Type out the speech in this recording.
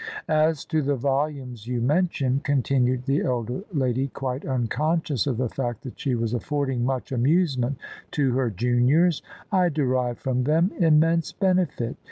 " As to the volumes you mention," continued the elder lady, quite unconscious of the fact that she was affording much amusement to her juniors: "I derived from them immense benefit.